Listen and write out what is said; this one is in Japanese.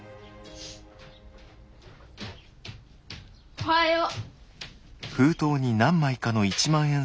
おはよう。